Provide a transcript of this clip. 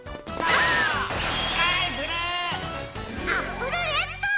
アップルレッド！